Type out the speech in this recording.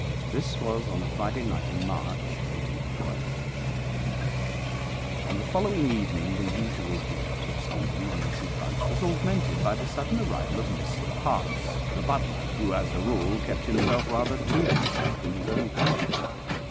This was on a Friday night in March, 1812. On the following evening the usual duet of Stephen and Mrs Bunch was augmented by the sudden arrival of Mr Parkes, the butler, who as a rule kept himself rather to himself in his own pantry.